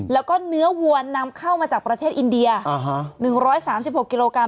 แล้วก็เนื้อวัวนำเข้ามาจากประเทศอินเดีย๑๓๖กิโลกรั